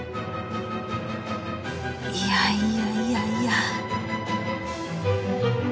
いやいやいやいや